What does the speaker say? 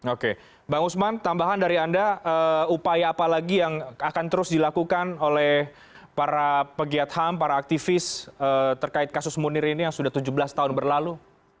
oke bang usman tambahan dari anda upaya apa lagi yang akan terus dilakukan oleh para pegiat ham para aktivis terkait kasus munir ini yang sudah tujuh belas tahun berlalu